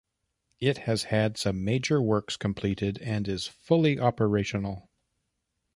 It has had some major works completed and is fully operational.